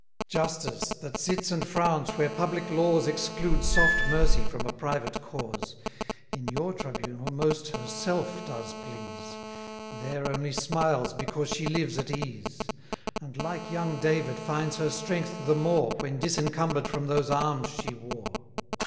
Justice, that sits and frowns where public laws Exclude soft mercy from a private cause, 50 In your tribunal most herself does please; There only smiles because she lives at ease; And, like young David, finds her strength the more, When disencumber'd from those arms she wore.